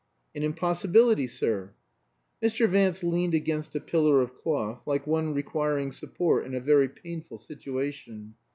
"An impossibility, sir." Mr. Vance leaned against a pillar of cloth, like one requiring support in a very painful situation.